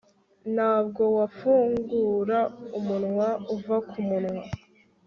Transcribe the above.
Ntabwo wafungura umunwa uva kumunwa